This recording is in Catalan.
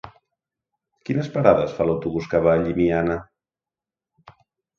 Quines parades fa l'autobús que va a Llimiana?